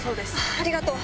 ありがとう。